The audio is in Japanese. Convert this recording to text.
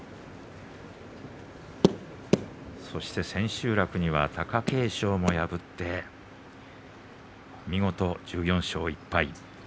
そして千秋楽には貴景勝も破って見事１４勝１敗。